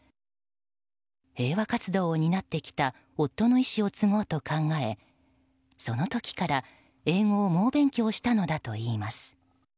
平和活動を担ってきた夫の遺志を継ごうと考えその時から英語を猛勉強したのだといいます。